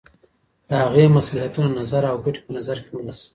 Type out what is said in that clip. د هغې مصلحتونه، نظر او ګټي په نظر کي ونيسي.